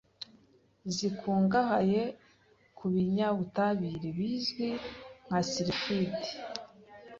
zikungahaye ku binyabutabire bizwi nka sulfides,